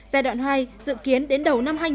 giai đoạn hai dự kiến đến đầu năm